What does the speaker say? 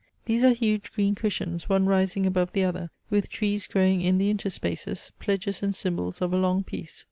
These are huge green cushions, one rising above the other, with trees growing in the interspaces, pledges and symbols of a long peace.